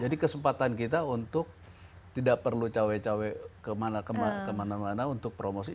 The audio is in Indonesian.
jadi kesempatan kita untuk tidak perlu cewek cewek kemana mana untuk promosi